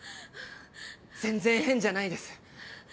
全然変じゃないです。